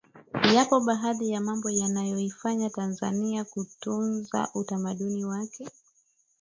Yapo baadhi mambo yanayoifanya Tanzania kutunza utamaduni wake